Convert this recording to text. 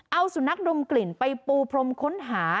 เอาสุนัขดมกลิ่นไปปูพรมค้นหา